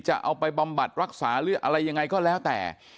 จะเอาไปปรับบัติรักษาอะไรอย่างไรก็แล้วแต่